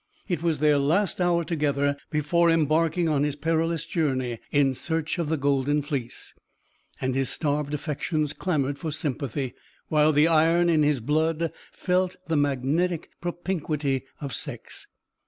It was their last hour together before embarking on his perilous journey in search of the Golden Fleece, and his starved affections clamored for sympathy, while the iron in his blood felt the magnetic propinquity of sex.